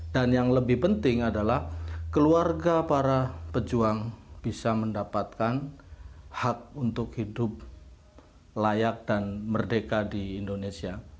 dan yang lebih penting adalah keluarga para pejuang bisa mendapatkan hak untuk hidup layak dan merdeka di indonesia